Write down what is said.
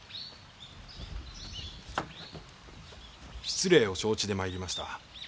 失礼を承知で参りました。